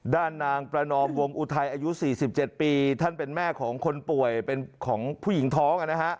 ด้านนางประนอมวงอุทัยอายุ๔๗ปีท่านเป็นแม่ของคนป่วยเป็นของผู้หญิงท้อง